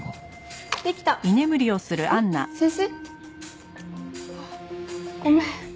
先生？あっごめん。